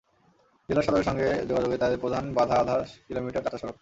জেলা সদরের সঙ্গে যোগাযোগে তাদের প্রধান বাধা আধা কিলোমিটার কাঁচা সড়ক।